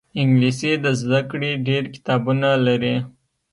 انګلیسي د زده کړې ډېر کتابونه لري